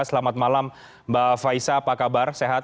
selamat malam mbak faiza apa kabar sehat